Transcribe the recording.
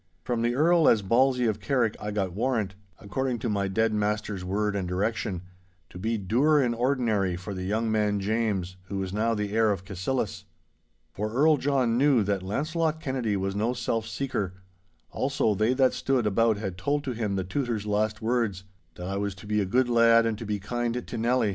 From the Earl as Bailzie of Carrick I got warrant, according to my dead master's word and direction, to be doer in ordinary for the young man James, who was now the heir of Cassilis. For Earl John knew that Launcelot Kennedy was no self seeker; also they that stood about had told to him the Tutor's last words—that I was to be a good lad and to be kind to Nelly.